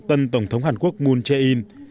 tân tổng thống hàn quốc moon jae in